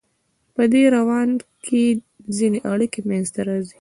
پدې دوران کې ځینې اړیکې منځ ته راځي.